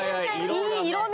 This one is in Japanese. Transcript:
いい色味！